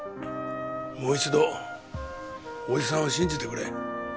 もう一度おじさんを信じてくれ。